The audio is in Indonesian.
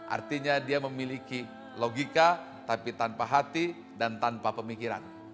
artinya dia memiliki logika tapi tanpa hati dan tanpa pemikiran